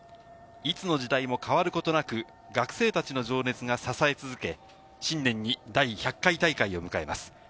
いつの時代も変わることなく、学生たちの情熱が支え続け、新年に第１００回大会を迎えます。